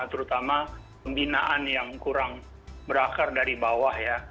terutama pembinaan yang kurang berakar dari bawah ya